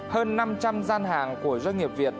hơn năm trăm linh gian hàng của doanh nghiệp việt